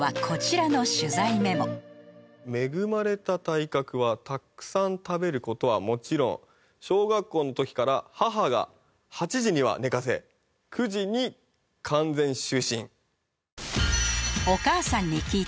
「恵まれた体格はたくさん食べることはもちろん小学校のときから母が８時には寝かせ９時に完全就寝」